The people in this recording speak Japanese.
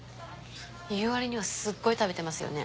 言うわりにはすごい食べてますよね？